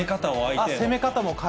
攻め方を。